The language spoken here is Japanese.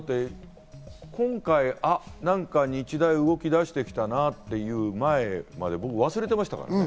今回、日大動き出して来たなっていう、前まで僕、忘れてましたからね。